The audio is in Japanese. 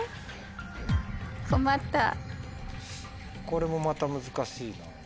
これもまた難しいな。